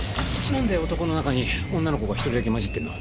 何で男の中に女の子が１人だけ交じってんの？